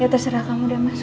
ya terserah kamu deh mas